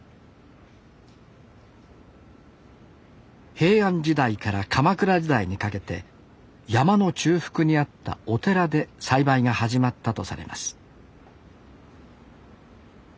平安時代から鎌倉時代にかけて山の中腹にあったお寺で栽培が始まったとされます